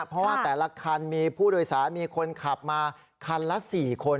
เพราะว่าแต่ละคันมีผู้โดยสารมีคนขับมาคันละ๔คน